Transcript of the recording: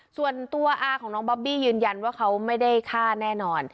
ส่วนตัวอาของน้องบอบบี้ยืนยันว่าเขาไม่ได้ฆ่าแน่นอน